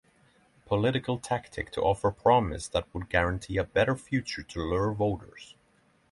Political tactic to offer promise that would guarantee a better future to lure voters.